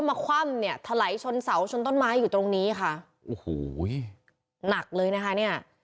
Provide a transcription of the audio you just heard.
คว่ำเนี่ยถลายชนเสาชนต้นไม้อยู่ตรงนี้ค่ะโอ้โหหนักเลยนะคะเนี่ย